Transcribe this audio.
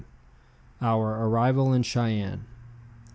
OUR ARRIVAL IN CHEYENNE.